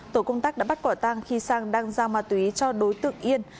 tổ công tác đã bắt quả tăng khi sang đăng giao ma túy cho đối tượng yên